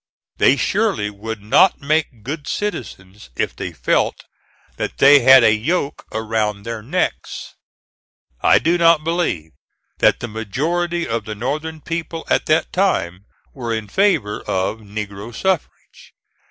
They surely would not make good citizens if they felt that they had a yoke around their necks. I do not believe that the majority of the Northern people at that time were in favor of negro suffrage.